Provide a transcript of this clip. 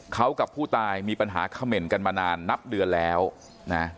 เขากับผู้ตายมีปัญหาเขม่นกันมานานนับเดือนแล้วนะ